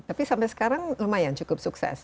tapi sampai sekarang lumayan cukup sukses